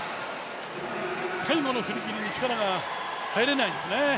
最後の振り切りに力が入らないんですね。